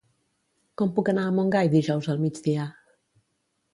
Com puc anar a Montgai dijous al migdia?